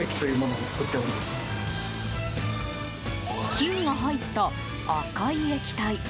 金が入った赤い液体。